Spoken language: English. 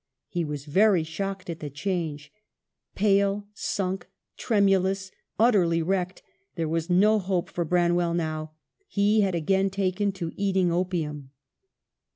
He was very shocked at the change. Pale, sunk, tremulous, utterly wrecked; there was no hope for Bran well now ; he had again taken to eating opium.